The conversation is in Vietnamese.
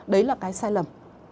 đấy là cái sai lầm